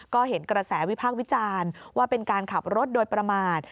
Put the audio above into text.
ก็เห็นกระแสวิพากษ์วิจารณ์ว่าเป็นการขับรถโดยประมาท